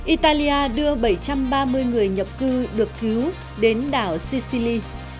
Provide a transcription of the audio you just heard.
italia đưa bảy trăm ba mươi người nhập cư được cứu đến đảo sicili